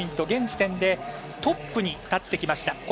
現時点でトップに立ってきました。